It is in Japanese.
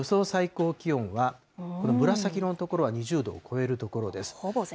最高気温は、これ、紫色の所は２０度を超える所です。